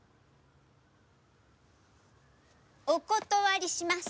お断りします。